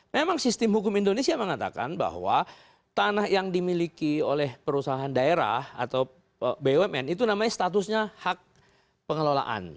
memang sistem hukum indonesia mengatakan bahwa tanah yang dimiliki oleh perusahaan daerah atau bumn itu namanya statusnya hak pengelolaan